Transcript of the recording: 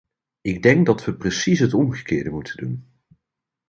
Ik denk dat we precies het omgekeerde moeten doen.